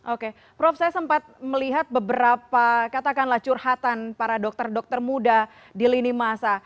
oke prof saya sempat melihat beberapa katakanlah curhatan para dokter dokter muda di lini masa